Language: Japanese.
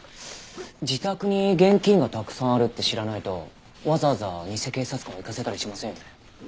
自宅に現金がたくさんあるって知らないとわざわざ偽警察官を行かせたりしませんよね。